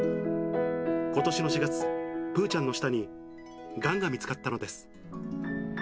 ことしの４月、ぷーちゃんの舌にがんが見つかったのです。